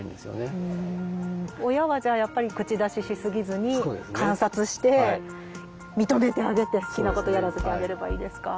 親はじゃあやっぱり口出しし過ぎずに観察して認めてあげて好きなことやらせてあげればいいですか？